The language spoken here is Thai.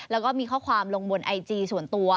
แล้วก็มีข้อความลงบนไอจีส่วนตัว